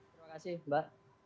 terima kasih mbak